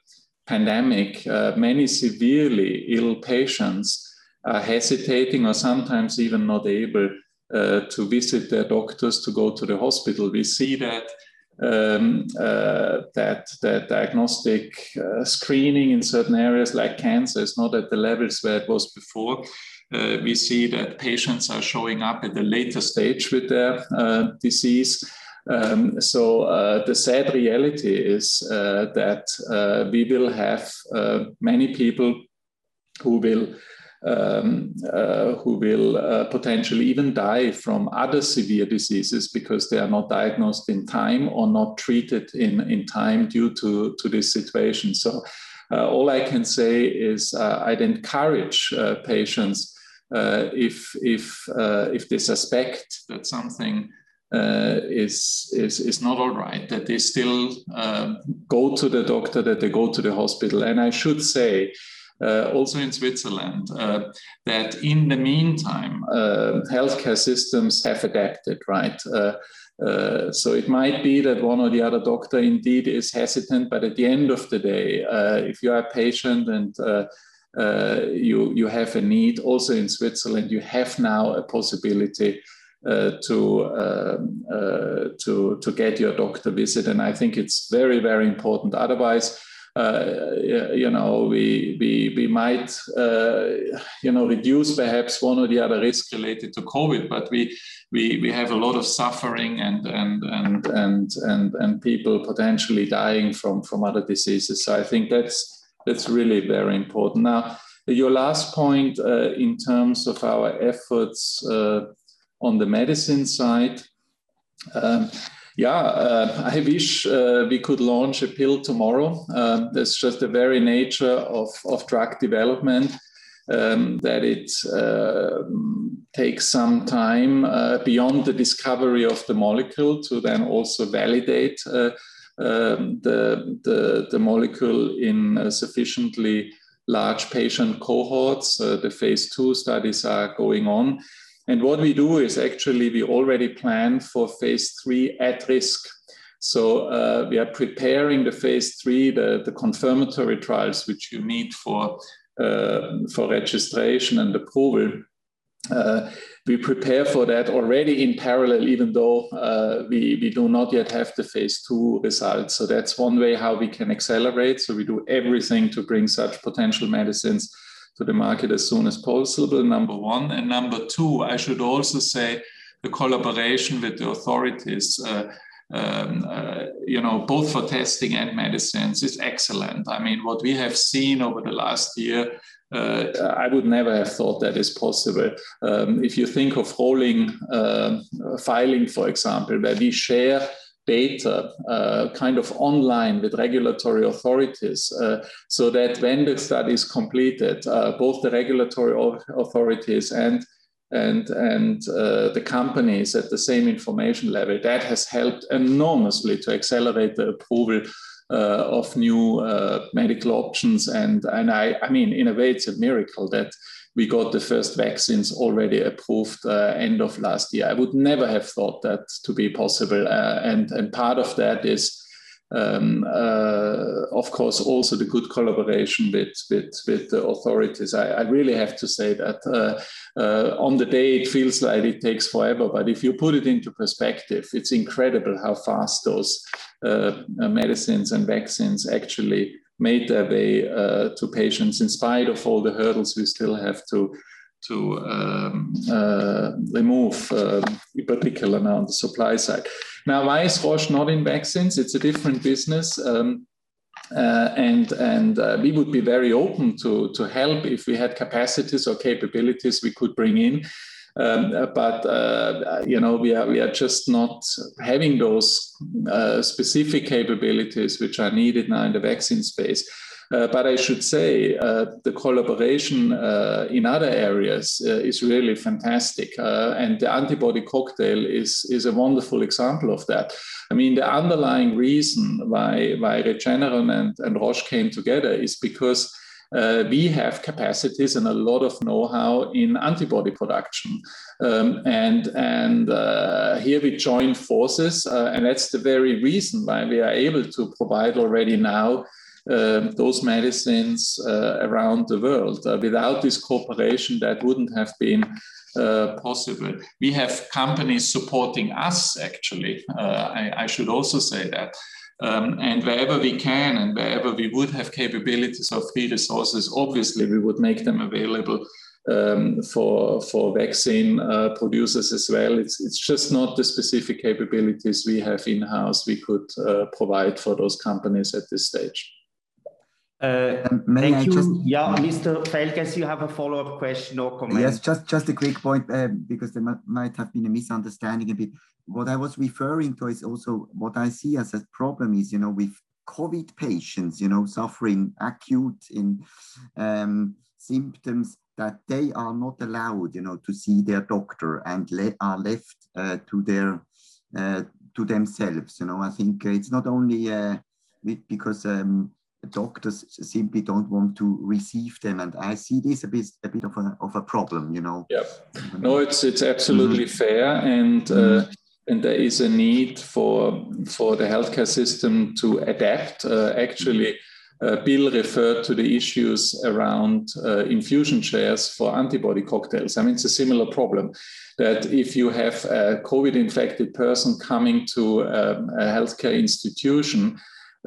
pandemic, many severely ill patients are hesitating or sometimes even not able to visit their doctors to go to the hospital. We see that diagnostic screening in certain areas like cancer is not at the levels where it was before. We see that patients are showing up at a later stage with their disease. The sad reality is that we will have many people who will potentially even die from other severe diseases because they are not diagnosed in time or not treated in time due to this situation. All I can say is I'd encourage patients, if they suspect that something is not all right, that they still go to the doctor, that they go to the hospital. I should say, also in Switzerland, that in the meantime, healthcare systems have adapted, right? It might be that one or the other doctor indeed is hesitant, but at the end of the day, if you are a patient and you have a need, also in Switzerland, you have now a possibility to get your doctor visit, and I think it's very, very important. Otherwise, we might reduce perhaps one or the other risk related to COVID, but we have a lot of suffering and people potentially dying from other diseases. I think that's really very important. Now, your last point, in terms of our efforts on the medicine side, I wish we could launch a pill tomorrow. That's just the very nature of drug development, that it takes some time beyond the discovery of the molecule to then also validate the molecule in sufficiently large patient cohorts. The phase II studies are going on, what we do is actually we already plan for phase III at risk. We are preparing the phase III, the confirmatory trials, which you need for registration and approval. We prepare for that already in parallel, even though we do not yet have the phase II results. That's one way how we can accelerate. We do everything to bring such potential medicines to the market as soon as possible, number one. Number two, I should also say the collaboration with the authorities, both for testing and medicines, is excellent. What we have seen over the last year, I would never have thought that is possible. If you think of filing, for example, where we share data kind of online with regulatory authorities, so that when the study's completed, both the regulatory authorities and the companies at the same information level, that has helped enormously to accelerate the approval of new medical options. It's a miracle that we got the first vaccines already approved end of last year. I would never have thought that to be possible. Part of that is, of course, also the good collaboration with the authorities. I really have to say that on the day, it feels like it takes forever, but if you put it into perspective, it's incredible how fast those medicines and vaccines actually made their way to patients. In spite of all the hurdles, we still have to remove in particular now on the supply side. Why is Roche not in vaccines? It's a different business, we would be very open to help if we had capacities or capabilities we could bring in. We are just not having those specific capabilities which are needed now in the vaccine space. I should say, the collaboration in other areas is really fantastic. The antibody cocktail is a wonderful example of that. The underlying reason why Regeneron and Roche came together is because we have capacities and a lot of knowhow in antibody production. Here we joined forces, and that's the very reason why we are able to provide already now those medicines around the world. Without this cooperation, that wouldn't have been possible. We have companies supporting us, actually, I should also say that. Wherever we can and wherever we would have capabilities or free resources, obviously we would make them available for vaccine producers as well. It's just not the specific capabilities we have in-house we could provide for those companies at this stage. May I just- Thank you. Yeah, Mr. Feldges, you have a follow-up question or comment? Yes, just a quick point, because there might have been a misunderstanding a bit. What I was referring to is also what I see as a problem is, with COVID patients suffering acute symptoms, that they are not allowed to see their doctor and are left to themselves. I think it's not only a, because doctors simply don't want to receive them, and I see this a bit of a problem. No, it's absolutely fair, and there is a need for the healthcare system to adapt. Actually, Bill referred to the issues around infusion chairs for antibody cocktails. I mean, it's a similar problem that if you have a COVID-infected person coming to a healthcare institution,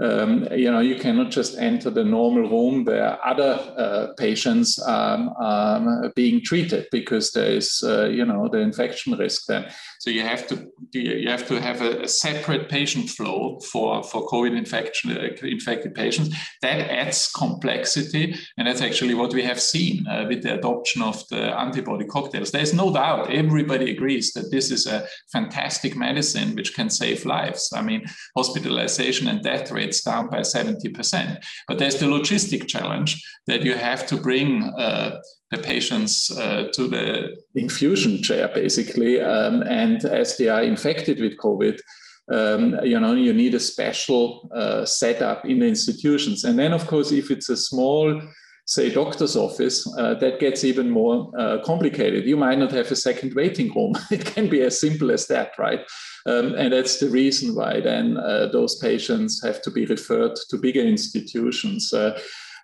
you cannot just enter the normal room. There are other patients being treated because there is the infection risk then. You have to have a separate patient flow for COVID-infected patients. That adds complexity, and that's actually what we have seen with the adoption of the antibody cocktails. There's no doubt, everybody agrees, that this is a fantastic medicine which can save lives. I mean, hospitalization and death rates down by 70%. There's the logistic challenge that you have to bring the patients to the infusion chair, basically. As they are infected with COVID, you need a special setup in the institutions. Then, of course, if it's a small, say, doctor's office, that gets even more complicated. You might not have a second waiting room, it can be as simple as that, right? That's the reason why then those patients have to be referred to bigger institutions.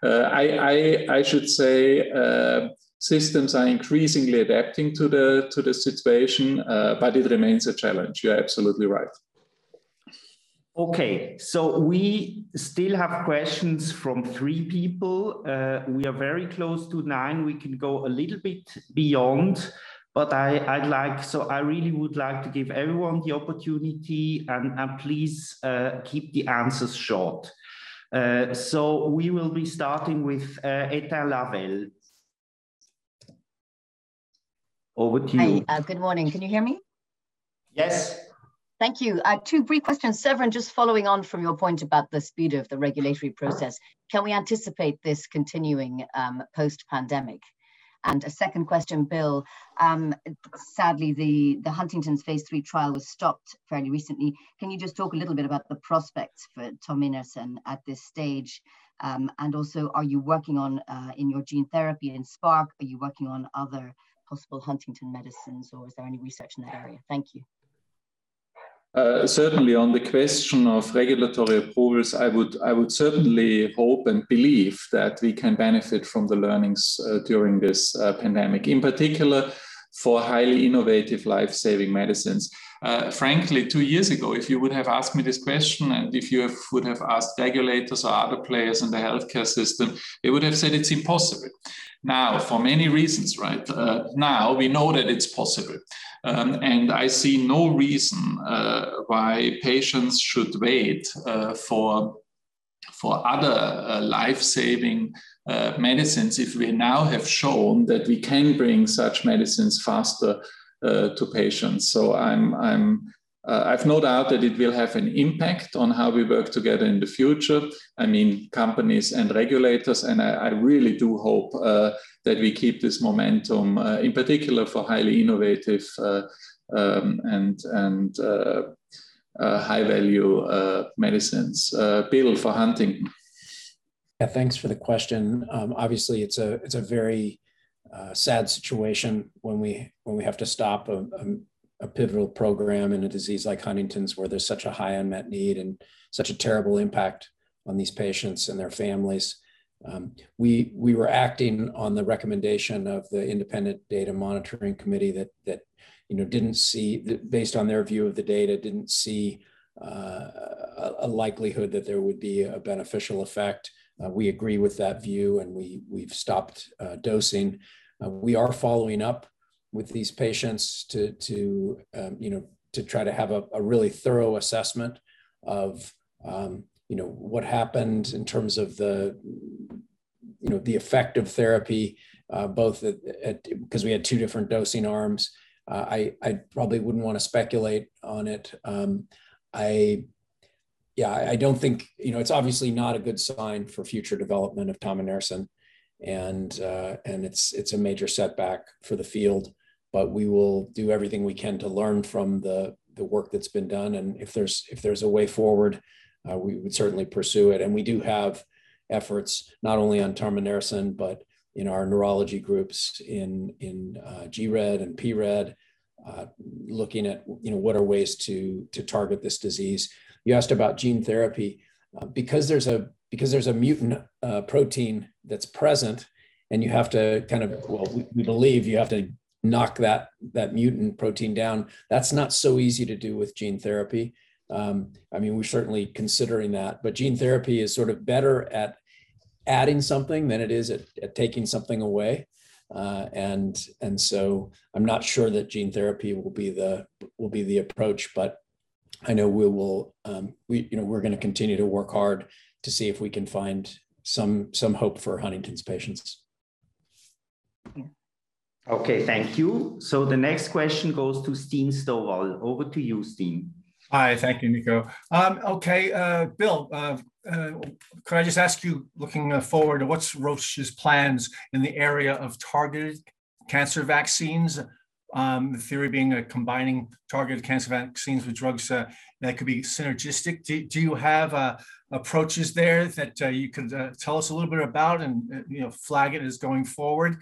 I should say systems are increasingly adapting to the situation, but it remains a challenge. You're absolutely right. Okay. We still have questions from three people. We are very close to 9:00 A.M. we can go a little bit beyond, so I really would like to give everyone the opportunity, and please keep the answers short. We will be starting with Étienne Lavigne. Over to you. Hi. Good morning. Can you hear me? Yes. Thank you. Two brief questions. Severin, just following on from your point about the speed of the regulatory process, can we anticipate this continuing post-pandemic? A second question, Bill. Sadly, the Huntington's phase III trial was stopped fairly recently. Can you just talk a little bit about the prospects for tominersen at this stage? Also, in your gene therapy in Spark, are you working on other possible Huntington medicines, or is there any research in that area? Thank you. Certainly on the question of regulatory approvals, I would certainly hope and believe that we can benefit from the learnings during this pandemic, in particular for highly innovative life-saving medicines. Frankly, two years ago, if you would have asked me this question, and if you would have asked regulators or other players in the healthcare system, they would have said it's impossible. Now, for many reasons, right now we know that it's possible. I see no reason why patients should wait for other life-saving medicines if we now have shown that we can bring such medicines faster to patients. I've no doubt that it will have an impact on how we work together in the future, I mean, companies and regulators, and I really do hope that we keep this momentum, in particular for highly innovative and high-value medicines. Bill, for Huntington. Yeah. Thanks for the question. Obviously, it's a very sad situation when we have to stop a pivotal program in a disease like Huntington's, where there's such a high unmet need and such a terrible impact on these patients and their families. We were acting on the recommendation of the independent data monitoring committee that, based on their view of the data, didn't see a likelihood that there would be a beneficial effect. We agree with that view, and we've stopped dosing. We are following up with these patients to try to have a really thorough assessment of what happened in terms of the effect of therapy, both because we had two different dosing arms. I probably wouldn't want to speculate on it. It's obviously not a good sign for future development of tominersen, and it's a major setback for the field, but we will do everything we can to learn from the work that's been done. If there's a way forward, we would certainly pursue it. We do have efforts, not only on tominersen, but in our neurology groups in gRED and pRED, looking at what are ways to target this disease. You asked about gene therapy. Because there's a mutant protein that's present and we believe you have to knock that mutant protein down, that's not so easy to do with gene therapy. I mean, we're certainly considering that, but gene therapy is sort of better at adding something than it is at taking something away. I'm not sure that gene therapy will be the approach, but I know we're going to continue to work hard to see if we can find some hope for Huntington's patients. Okay. Thank you. The next question goes to Stefan Stoffel. Over to you, Stefan. Hi, thank you, Nico. Okay. Bill, can I just ask you, looking forward, what's Roche's plans in the area of targeted cancer vaccines? The theory being combining targeted cancer vaccines with drugs that could be synergistic. Do you have approaches there that you could tell us a little bit about and flag it as going forward?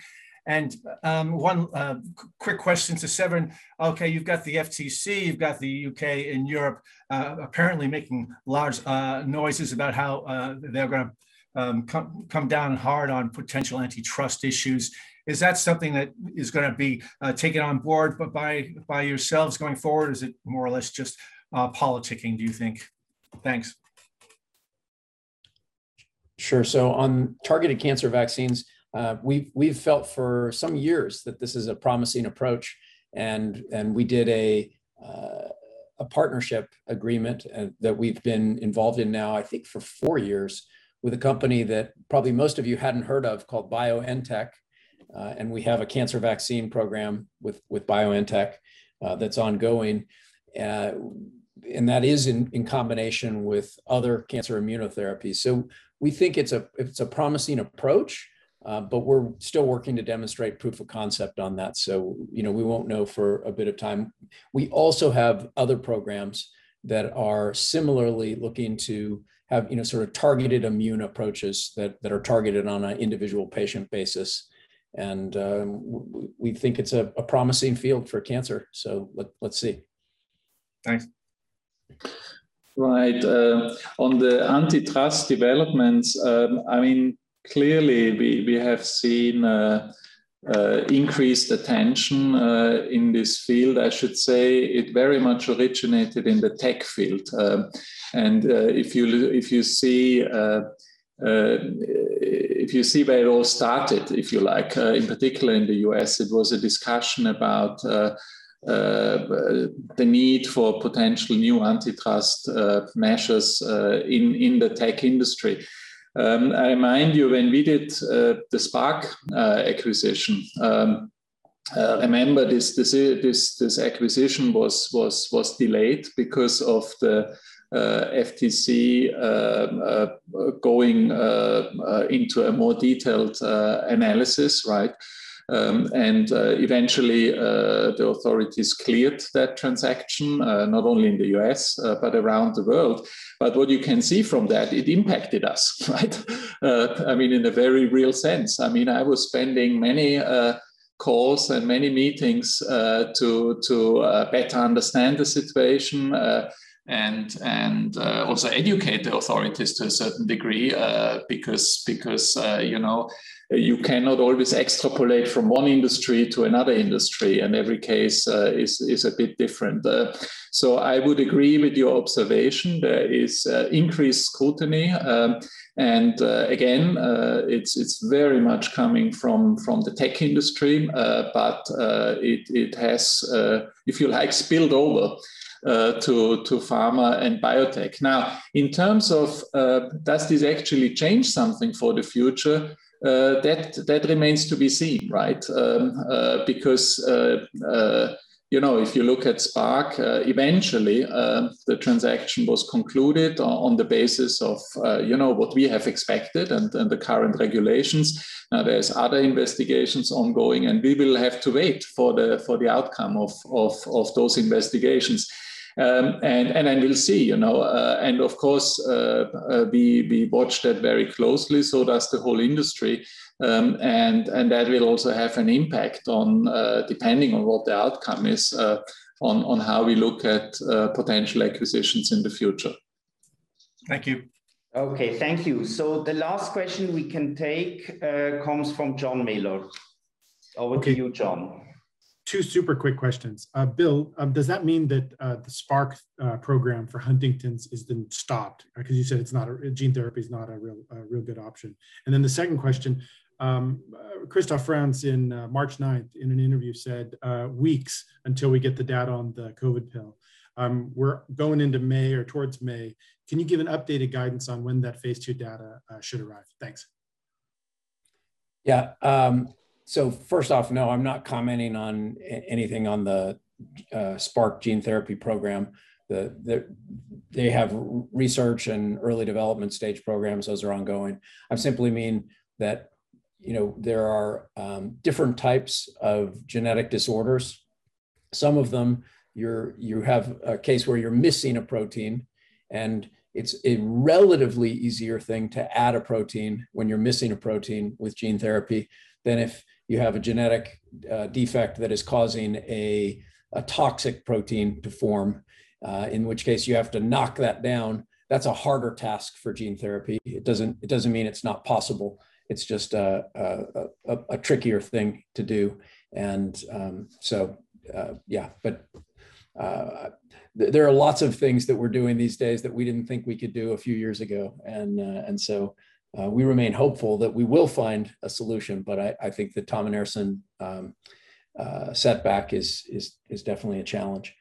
One quick question to Severin. Okay, you've got the FTC, you've got the U.K. and Europe apparently making large noises about how they're going to come down hard on potential antitrust issues. Is that something that is going to be taken on board by yourselves going forward, or is it more or less just politicking, do you think? Thanks. Sure. On targeted cancer vaccines, we've felt for some years that this is a promising approach, and we did a partnership agreement that we've been involved in now, I think, for four years, with a company that probably most of you hadn't heard of called BioNTech, and we have a cancer vaccine program with BioNTech that's ongoing. That is in combination with other cancer immunotherapies. We think it's a promising approach, but we're still working to demonstrate proof of concept on that. We won't know for a bit of time. We also have other programs that are similarly looking to have sort of targeted immune approaches that are targeted on an individual patient basis, and we think it's a promising field for cancer. Let see. Thanks. Right. On the antitrust developments, clearly we have seen increased attention in this field. I should say it very much originated in the tech field. If you see where it all started, if you like, in particular in the U.S., it was a discussion about the need for potential new antitrust measures in the tech industry. I remind you when we did the Spark acquisition, I remember this acquisition was delayed because of the FTC going into a more detailed analysis. Eventually, the authorities cleared that transaction, not only in the U.S. but around the world. What you can see from that, it impacted us, right? In a very real sense. I was spending many calls and many meetings to better understand the situation, and also educate the authorities to a certain degree, because you cannot always extrapolate from one industry to another industry, and every case is a bit different. I would agree with your observation. There is increased scrutiny, and again, it's very much coming from the tech industry, but it has, if you like, spilled over to pharma and biotech. In terms of does this actually change something for the future? That remains to be seen, right? Because if you look at Spark, eventually the transaction was concluded on the basis of what we have expected and the current regulations. There's other investigations ongoing, and we will have to wait for the outcome of those investigations. We'll see, of course, we watch that very closely, so does the whole industry. That will also have an impact, depending on what the outcome is, on how we look at potential acquisitions in the future. Thank you. Okay. Thank you. The last question we can take comes from John Miller. Over to you, John. Two super quick questions. Bill, does that mean that the Spark program for Huntington's has been stopped, because you said gene therapy's not a real good option? The second question, Christoph Franz in March 9th, in an interview, said weeks until we get the data on the COVID pill. We're going into May or towards May, can you give an updated guidance on when that phase II data should arrive? Thanks. Yeah. First off, no, I'm not commenting on anything on the Spark gene therapy program. They have research and early development stage programs. Those are ongoing. I simply mean that there are different types of genetic disorders. Some of them, you have a case where you're missing a protein, and it's a relatively easier thing to add a protein when you're missing a protein with gene therapy than if you have a genetic defect that is causing a toxic protein to form, in which case you have to knock that down. That's a harder task for gene therapy, it doesn't mean it's not possible, it's just a trickier thing to do. Yeah, there are lots of things that we're doing these days that we didn't think we could do a few years ago, and so we remain hopeful that we will find a solution. I think the tominersen setback is definitely a challenge.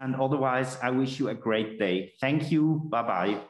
Otherwise, I wish you a great day. Thank you, bye-bye.